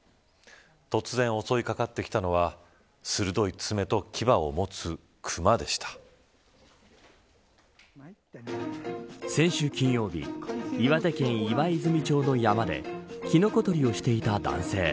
突然襲いかかってきたのは先週金曜日岩手県岩泉町の山でキノコ採りをしていた男性。